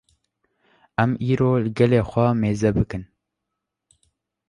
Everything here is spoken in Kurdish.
Em îro li gelê xwe mêze bikin